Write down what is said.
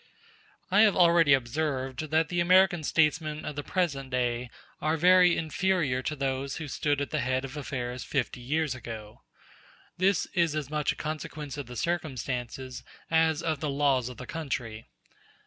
I have already observed that the American statesmen of the present day are very inferior to those who stood at the head of affairs fifty years ago. This is as much a consequence of the circumstances as of the laws of the country.